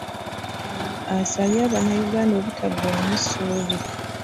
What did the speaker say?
Ono asabye Bannayuganda obutaggwamu ssuubi